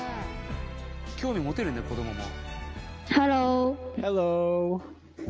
興味持てるね子どもも。